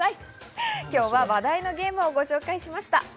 話題のゲームをご紹介しました。